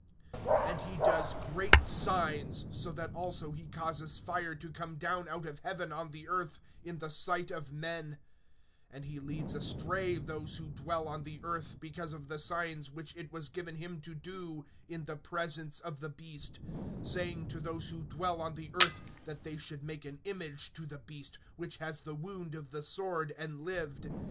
(13)And he does great signs, so that also he causes fire to come down out of heaven on the earth, in the sight of men; (14)and he leads astray those who dwell on the earth, because of the signs which it was given him to do in the presence of the beast; saying to those who dwell on the earth, that they should make an image to the beast, which has the wound of the sword, and lived.